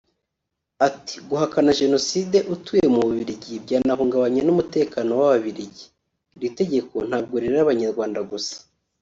Ati “Guhakana Jenoside utuye mu Bubiligi byanahungabanya n’umutekano w’Ababiligi […] Iri tegeko ntabwo rireba abanyarwanda gusa